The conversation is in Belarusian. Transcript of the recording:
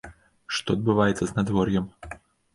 Што адбываецца з надвор'ем?